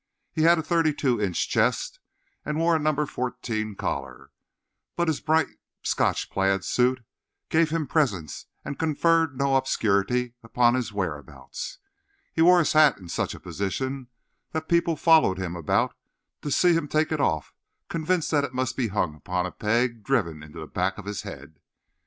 He had a thirty two inch chest and wore a number fourteen collar; but his bright Scotch plaid suit gave him presence and conferred no obscurity upon his whereabouts. He wore his hat in such a position that people followed him about to see him take it off, convinced that it must be hung upon a peg driven into the back of his head.